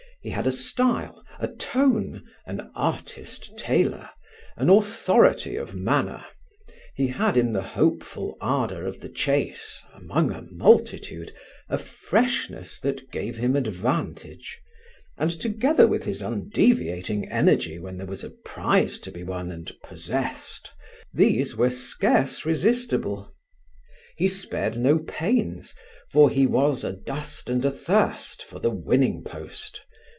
He had a style, a tone, an artist tailor, an authority of manner; he had in the hopeful ardour of the chase among a multitude a freshness that gave him advantage; and together with his undeviating energy when there was a prize to be won and possessed, these were scarce resistible. He spared no pains, for he was adust and athirst for the winning post.